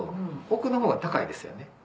奥の方が高いですよね。